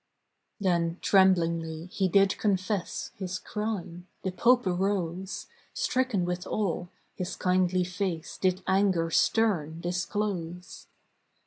Then, tremblingly, he did confess His crime. The Pope arose, Stricken with awe; his kindly face Did anger stern disclose.